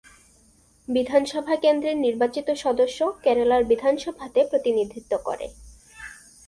বিধানসভা কেন্দ্রের নির্বাচিত সদস্য কেরালার বিধানসভাতে প্রতিনিধিত্ব করে।